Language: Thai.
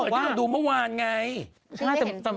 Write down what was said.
บาไม่ได้นะไม่รู้